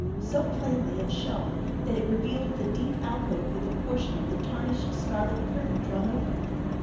So plainly it shone, that it revealed the deep alcove with a portion of the tarnished scarlet curtain drawn over it.